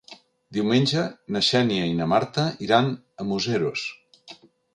Diumenge na Xènia i na Marta iran a Museros.